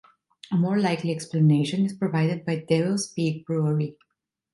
A more likely explanation is provided by Devil's Peak Brewery.